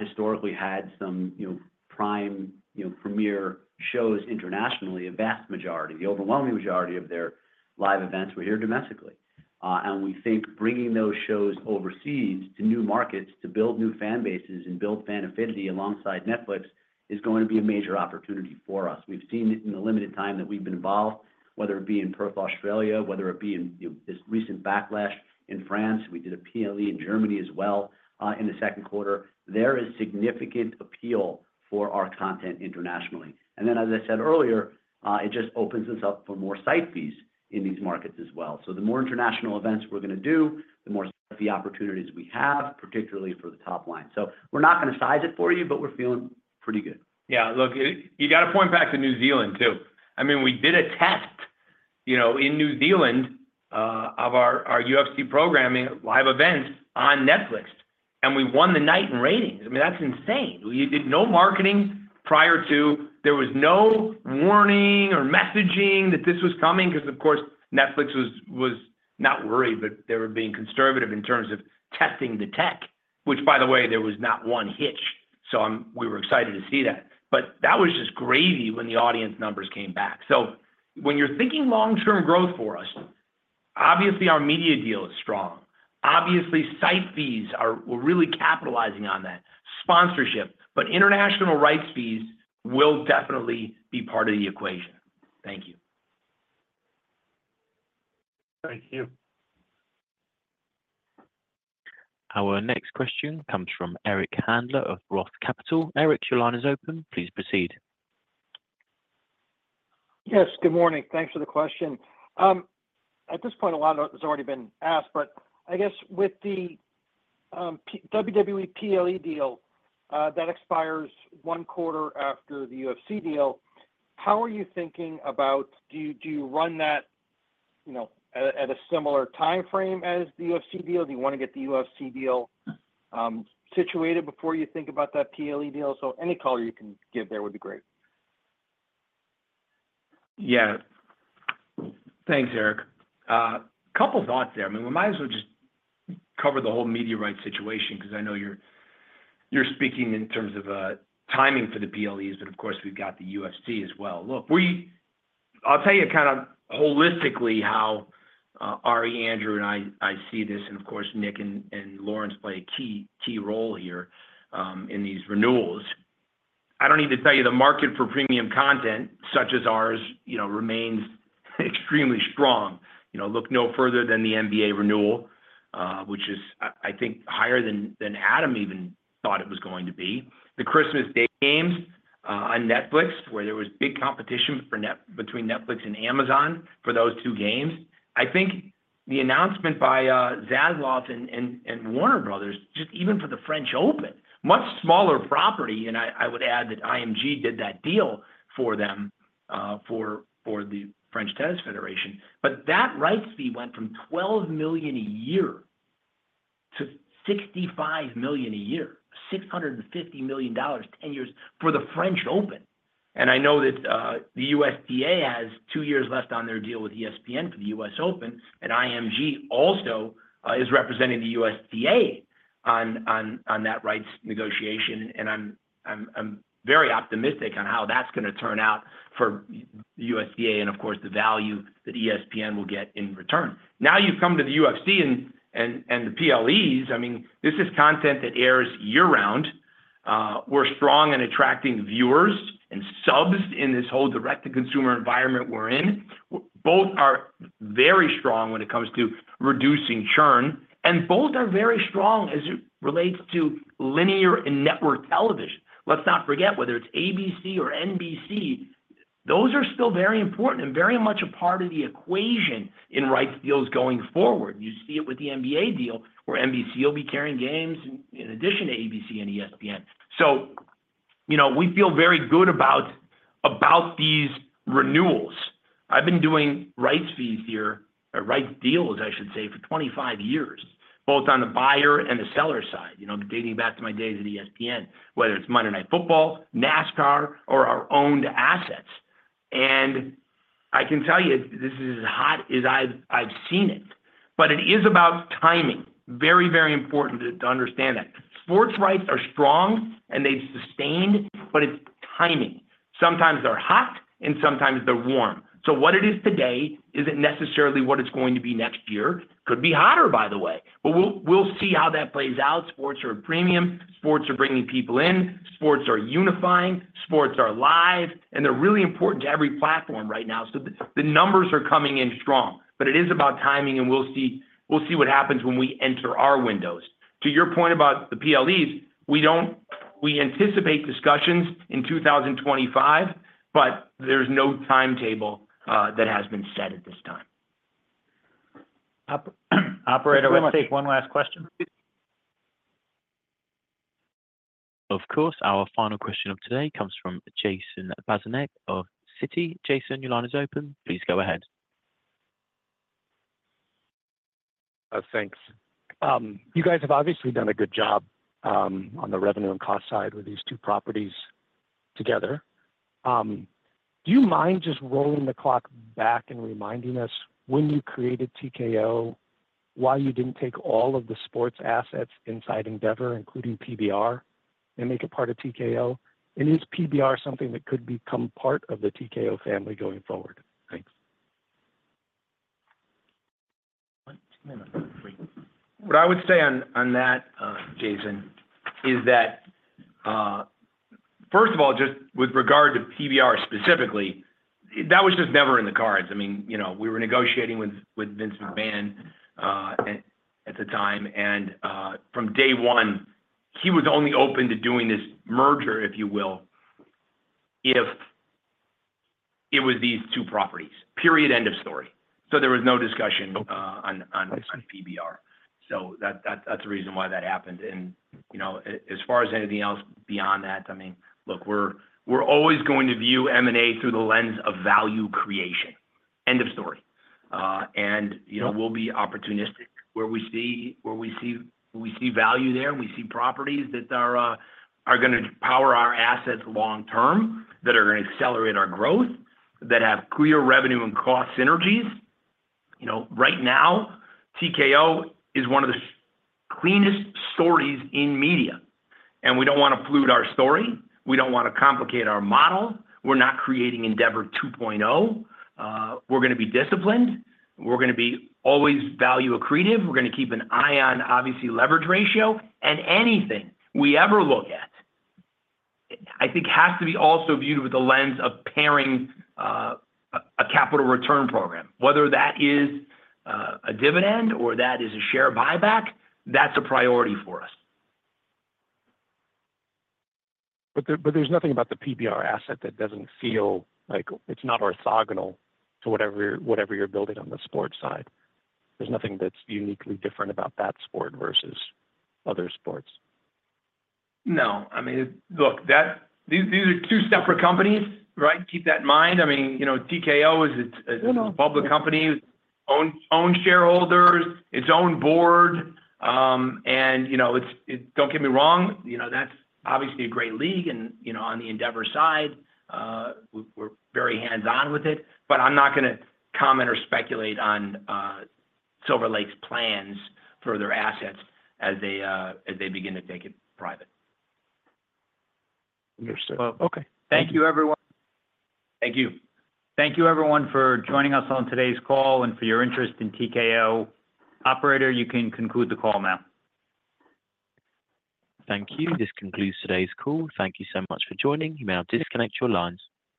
historically had some, you know, prime, you know, premier shows internationally, a vast majority, the overwhelming majority of their live events were here domestically. And we think bringing those shows overseas to new markets to build new fan bases and build fan affinity alongside Netflix is going to be a major opportunity for us. We've seen it in the limited time that we've been involved, whether it be in Perth, Australia, whether it be in, you know, this recent Backlash in France. We did a PLE in Germany as well, in the second quarter. There is significant appeal for our content internationally. And then, as I said earlier, it just opens us up for more site fees in these markets as well. So the more international events we're gonna do, the more site fee opportunities we have, particularly for the top line. So we're not gonna size it for you, but we're feeling pretty good. Yeah, look, you gotta point back to New Zealand, too. I mean, we did a test, you know, in New Zealand, of our UFC programming live event on Netflix, and we won the night in ratings. I mean, that's insane. We did no marketing prior to... There was no warning or messaging that this was coming because, of course, Netflix was not worried, but they were being conservative in terms of testing the tech, which by the way, there was not one hitch, so we were excited to see that. But that was just gravy when the audience numbers came back. So when you're thinking long-term growth for us, obviously, our media deal is strong. Obviously, site fees are- we're really capitalizing on that, sponsorship, but international rights fees will definitely be part of the equation. Thank you. Thank you. Our next question comes from Eric Handler of Roth Capital. Eric, your line is open. Please proceed. Yes, good morning. Thanks for the question. At this point, a lot has already been asked, but I guess with the WWE PLE deal that expires one quarter after the UFC deal, how are you thinking about... Do you, do you run that, you know, at a similar timeframe as the UFC deal? Do you want to get the UFC deal situated before you think about that PLE deal? So any color you can give there would be great. Yeah. Thanks, Eric. Couple thoughts there. I mean, we might as well just cover the whole media rights situation because I know you're speaking in terms of timing for the PLEs, but of course, we've got the UFC as well. Look, I'll tell you kind of holistically how Ari, Andrew, and I see this, and of course, Nick and Lawrence play a key role here in these renewals. I don't need to tell you, the market for premium content, such as ours, you know, remains extremely strong. You know, look no further than the NBA renewal, which is, I think, higher than Adam even thought it was going to be. The Christmas Day games on Netflix, where there was big competition between Netflix and Amazon for those two games. I think the announcement by Zaslav and Warner Bros., just even for the French Open, much smaller property, and I would add that IMG did that deal for them, for the French Tennis Federation. But that rights fee went from $12 million a year to $65 million a year, $650 million, 10 years for the French Open. And I know that the USTA has 2 years left on their deal with ESPN for the US Open, and IMG also is representing the USTA on that rights negotiation, and I'm very optimistic on how that's gonna turn out for USTA and, of course, the value that ESPN will get in return. Now, you've come to the UFC and the PLEs, I mean, this is content that airs year-round. We're strong in attracting viewers and subs in this whole direct-to-consumer environment we're in. Both are very strong when it comes to reducing churn, and both are very strong as it relates to linear and network television. Let's not forget, whether it's ABC or NBC, those are still very important and very much a part of the equation in rights deals going forward. You see it with the NBA deal, where NBC will be carrying games in addition to ABC and ESPN. So you know, we feel very good about, about these renewals. I've been doing rights fees here, or rights deals, I should say, for 25 years, both on the buyer and the seller side, you know, dating back to my days at ESPN, whether it's Monday Night Football, NASCAR, or our own assets. And I can tell you, this is as hot as I've, I've seen it, but it is about timing. Very, very important to, to understand that. Sports rights are strong, and they've sustained, but it's timing. Sometimes they're hot, and sometimes they're warm. So what it is today isn't necessarily what it's going to be next year. Could be hotter, by the way, but we'll, we'll see how that plays out. Sports are a premium, sports are bringing people in, sports are unifying, sports are live, and they're really important to every platform right now. So the, the numbers are coming in strong, but it is about timing, and we'll see, we'll see what happens when we enter our windows. To your point about the PLEs, we don't, we anticipate discussions in 2025, but there's no timetable that has been set at this time. Operator, let's take one last question, please. Of course. Our final question of today comes from Jason Bazinet of Citi. Jason, your line is open. Please go ahead. Thanks. You guys have obviously done a good job on the revenue and cost side with these two properties together. Do you mind just rolling the clock back and reminding us, when you created TKO, why you didn't take all of the sports assets inside Endeavor, including PBR, and make it part of TKO? And is PBR something that could become part of the TKO family going forward? Thanks. What I would say on that, Jason, is that, first of all, just with regard to PBR specifically, that was just never in the cards. I mean, you know, we were negotiating with Vince McMahon at the time, and from day one, he was only open to doing this merger, if you will, if it was these two properties. Period, end of story. So there was no discussion on PBR. So that's the reason why that happened. And, you know, as far as anything else beyond that, I mean, look, we're always going to view M&A through the lens of value creation. End of story. And, you know, we'll be opportunistic where we see, where we see, we see value there, and we see properties that are, are gonna power our assets long term, that are gonna accelerate our growth, that have clear revenue and cost synergies. You know, right now, TKO is one of the cleanest stories in media, and we don't wanna pollute our story. We don't wanna complicate our model. We're not creating Endeavor 2.0. We're gonna be disciplined. We're gonna be always value accretive. We're gonna keep an eye on, obviously, leverage ratio. And anything we ever look at, I think, has to be also viewed with the lens of pairing, a, a capital return program. Whether that is, a dividend or that is a share buyback, that's a priority for us. But there's nothing about the PBR asset that doesn't feel like it's not orthogonal to whatever you're building on the sports side. There's nothing that's uniquely different about that sport versus other sports? No. I mean, look, that... These are two separate companies, right? Keep that in mind. I mean, you know, TKO is it's, it's a public company, own shareholders, its own board. And, you know, it's, don't get me wrong, you know, that's obviously a great league and, you know, on the Endeavor side, we're very hands-on with it, but I'm not gonna comment or speculate on, Silver Lake's plans for their assets as they begin to take it private. Understood. Okay. Thank you, everyone. Thank you. Thank you, everyone, for joining us on today's call and for your interest in TKO. Operator, you can conclude the call now. Thank you. This concludes today's call. Thank you so much for joining. You may now disconnect your lines.